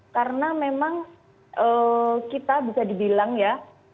karena memang kita bisa dibilang ya